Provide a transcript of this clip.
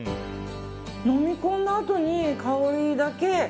飲み込んだあとに香りだけ。